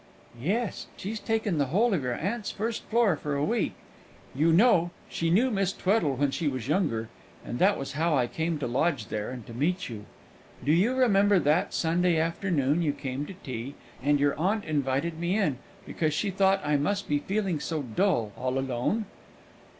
"Yes, she's taken the whole of your aunt's first floor for a week. (You know, she knew Miss Tweddle when she was younger, and that was how I came to lodge there, and to meet you.) Do you remember that Sunday afternoon you came to tea, and your aunt invited me in, because she thought I must be feeling so dull, all alone?"